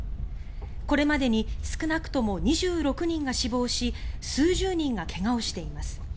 これまでに少なくとも２６人が死亡し数十人がけがをしています。